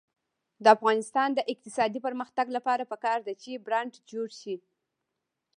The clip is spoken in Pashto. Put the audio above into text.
د افغانستان د اقتصادي پرمختګ لپاره پکار ده چې برانډ جوړ شي.